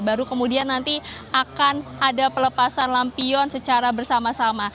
baru kemudian nanti akan ada pelepasan lampion secara bersama sama